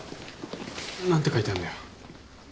何て書いてあんだよ？